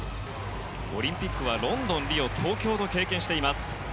オリンピックはロンドンリオ、東京と経験しています。